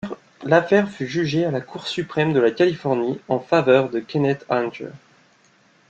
L'affaire fut jugée à la Cour Suprême de Californie en faveur de Kenneth Anger.